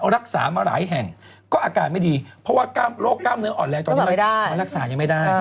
รักษามาหลายแห่งก็อาการไม่ดีเพราะว่าโรคกล้ามเนื้ออ่อนแรงตอนนี้มันรักษายังไม่ได้